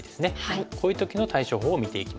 こういう時の対処法を見ていきます。